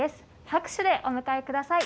拍手でお迎えください。